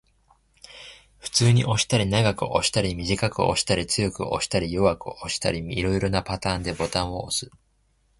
普通に押したり、長く押したり、短く押したり、強く押したり、弱く押したり、色々なパターンでボタンを押す